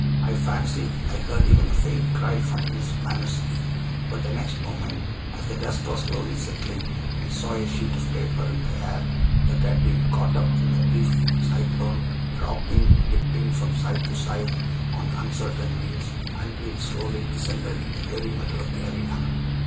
I fancied I heard even a faint cry from Miss Mannersley; but the next moment, as the dust was slowly settling, we saw a sheet of paper in the air, that had been caught up in this brief cyclone, dropping, dipping from side to side on uncertain wings, until it slowly descended in the very middle of the arena.